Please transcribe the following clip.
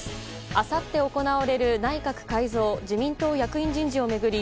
あさって行われる内閣改造・自民党役員人事を巡り